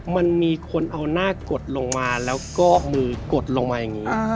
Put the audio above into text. มันมีคนเอาหน้ากดลงมาแล้วก็มือกดลงมาอย่างนี้